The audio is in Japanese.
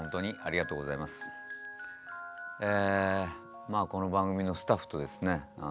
まあこの番組のスタッフとですね